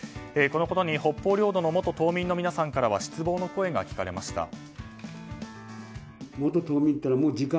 このことに北方領土の元島民の皆さんからは失望の声が聞かれました。